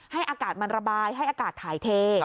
ให้อากาศมันระบายให้อากาศถ่ายเท